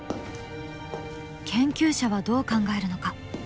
研究者はどう考えるのか？